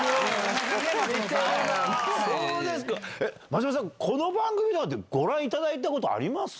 松本さん、この番組なんてご覧いただいたことあります？